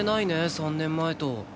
３年前と。